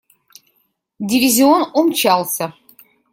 Дивизион умчался.